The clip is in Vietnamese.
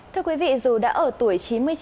thưa quý vị dù đã ở tuổi chín mươi chín